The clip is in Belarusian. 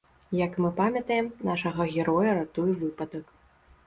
Як мы памятаем, нашага героя ратуе выпадак.